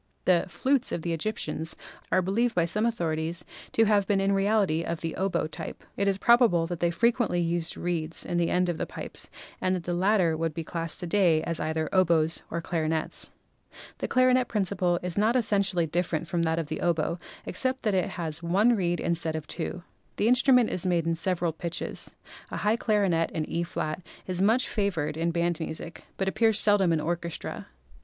The "flutes" of the Egyptians are believed by some authorities to have been in reality of the oboe type. It is probable that they fre quently used reeds in the end of the pipes and that the latter would be classed to day as either oboes or clarinets. The clarinet principle is not essentially different from that of the oboe, except that it has one reed instead of two. The instrument is made in several pitches. A high clarinet in E& is much favored in band music, but appears seldom in orchestra.